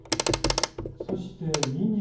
そしてにんにく。